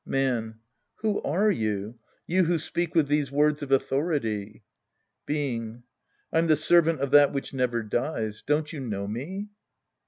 Man. Who are you ? You \Vho speak with these words of authority ? Being. I'm the servant of that which never dies. Don't you know me